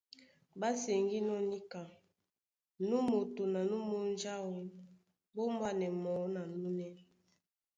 Ɓá seŋgínɔ́ níka nú moto na nú munja áō ɓá ombwanɛ̌ mɔɔ́ na núnɛ́.